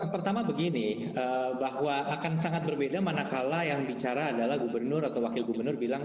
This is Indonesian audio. pertama begini bahwa akan sangat berbeda manakala yang bicara adalah gubernur atau wakil gubernur bilang